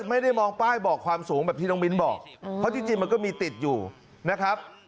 ไม่ได้มองป้ายบอกความสูงแบบที่น้องมิ้นบอกเพราะจริงมันก็มีติดอยู่นะครับ